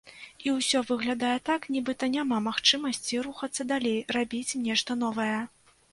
І ўсё выглядае так, нібыта няма магчымасці рухацца далей, рабіць нешта новае.